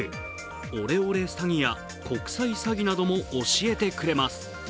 オレオレ詐欺や国際詐欺なども教えてくれます。